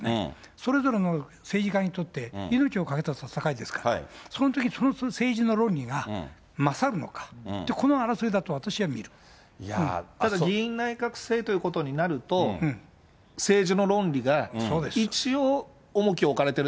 それぞれの政治家にとって、命をかけた戦いですから、そのときその政治の論理が勝るのか、議院内閣制ということになると、政治の論理が一応重きを置かれてる。